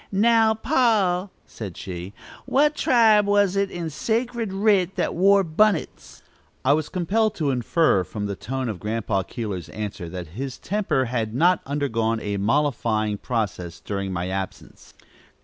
"Now, pa," said she; "what tribe was it in sacred writ that wore bunnits?" I was compelled to infer from the tone of Grandpa Keeler's answer that his temper had not undergone a mollifying process during my absence.